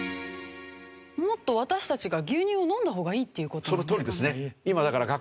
もっと私たちが牛乳を飲んだ方がいいっていう事なんですか？